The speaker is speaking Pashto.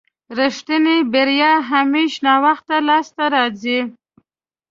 رښتينې بريا همېش ناوخته لاسته راځي.